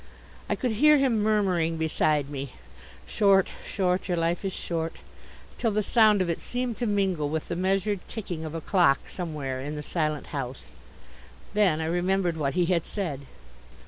I could hear him murmuring beside me, "Short short, your life is short"; till the sound of it seemed to mingle with the measured ticking of a clock somewhere in the silent house. Then I remembered what he had said.